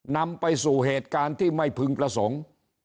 นำไปสู่เหตุการณ์ที่ไม่พึงประสงค์